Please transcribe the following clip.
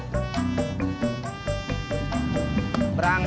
simana provided datang